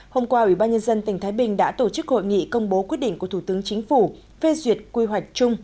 hôm qua ủy ban nhân dân tỉnh thái bình đã tổ chức hội nghị công bố quyết định của thủ tướng chính phủ phê duyệt quy hoạch chung